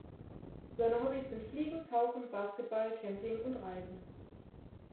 Seine Hobbys sind Fliegen, Tauchen, Basketball, Camping und Reisen.